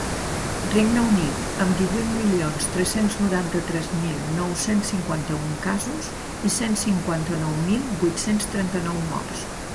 Regne Unit, amb divuit milions tres-cents noranta-tres mil nou-cents cinquanta-un casos i cent cinquanta-nou mil vuit-cents trenta-nou morts.